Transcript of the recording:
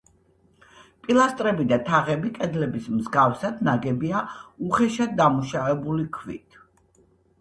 პილასტრები და თაღები კედლების მსგავსად ნაგებია უხეშად დამუშავებული ქვით.